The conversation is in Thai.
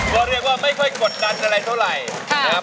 ก็เรียกว่าไม่ค่อยกดดันอะไรเท่าไหร่นะครับ